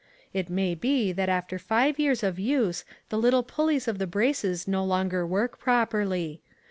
It may be that after five years of use the little pulleys of the braces no longer work properly.